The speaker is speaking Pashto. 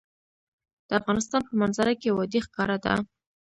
د افغانستان په منظره کې وادي ښکاره ده.